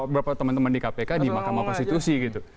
beberapa teman teman di kpk di mahkamah konstitusi gitu